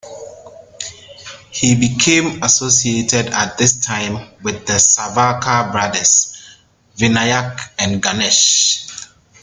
He became associated at this time with the Savarkar brothers, Vinayak and Ganesh.